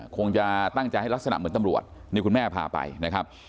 คงจะตั้งใจให้ลักษณะเหมือนตำรวจนี่คุณแม่พาไปนะครับ